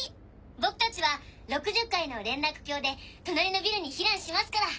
僕たちは６０階の連絡橋で隣のビルに避難しますから。